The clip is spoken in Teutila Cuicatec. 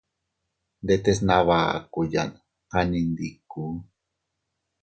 Ndetes nabakuyan kanni ndiku.